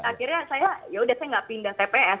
akhirnya saya yaudah saya gak pindah tps